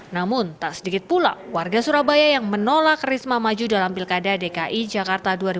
namun tak sedikit pula warga surabaya yang menolak risma maju dalam pilkada dki jakarta dua ribu tujuh belas